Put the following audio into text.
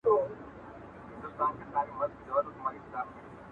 او طوطي ته یې دوکان وو ورسپارلی٫